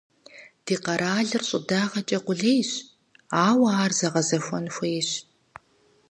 Ди къэралыр щӀыдагъэкӀэ къулейщ, ауэ ар зэгъэзэхуэн хуейщ.